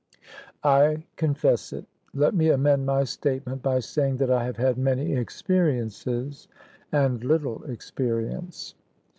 "I confess it. Let me amend my statement by saying that I have had many experiences and little experience."